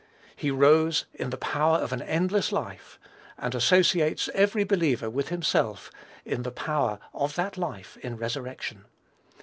He rose "in the power of an endless life," and associates every believer with himself, in the power of that life in resurrection.